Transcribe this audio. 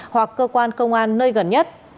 hoặc cơ quan công an nơi gần nhất